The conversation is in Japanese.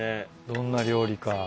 どんな料理か。